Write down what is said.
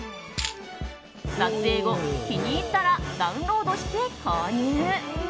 撮影後、気に入ったらダウンロードして購入。